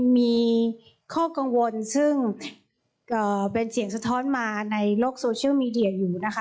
มีข้อกังวลซึ่งเป็นเสียงสะท้อนมาในโลกโซเชียลมีเดียอยู่นะคะ